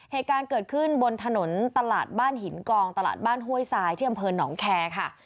เหตุการณ์เกิดขึ้นบนถนนตลาดบ้านหินกองตลาดบ้านห้วยทรายที่อำเภอหนองแคร์ค่ะ